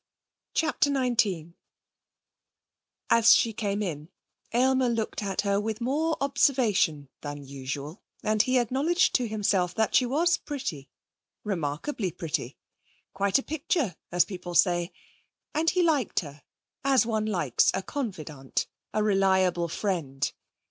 CHAPTER XIX As she came in, Aylmer looked at her with more observation than usual, and he acknowledged to himself that she was pretty remarkably pretty, quite a picture, as people say, and he liked her, as one likes a confidante, a reliable friend.